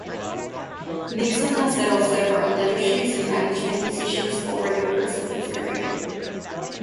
Nixon has held several leadership and management positions over the course of his career.